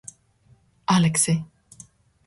ალექსი